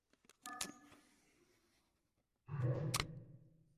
与匹兹堡和纳什维尔一样它是一个美国向西扩展时期的边界城市。